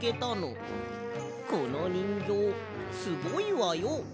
このにんぎょうすごいわよ。